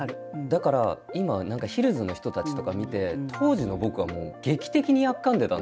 だから今何かヒルズの人たちとか見て当時の僕はもう劇的にやっかんでたんだと思うんですよね。